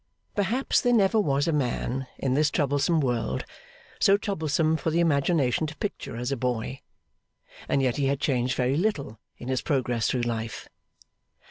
Perhaps there never was a man, in this troublesome world, so troublesome for the imagination to picture as a boy. And yet he had changed very little in his progress through life.